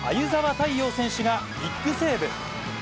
太陽選手がビッグセーブ。